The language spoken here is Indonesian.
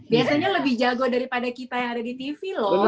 biasanya lebih jago daripada kita yang ada di tv loh